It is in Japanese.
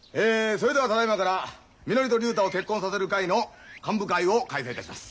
それではただいまからみのりと竜太を結婚させる会の幹部会を開催いたします。